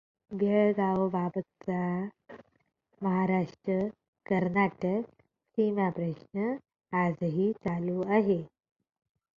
बेळगावबाबतचा महाराष्ट्र कर्नाटक सीमाप्रश्न आजही चालू आहे.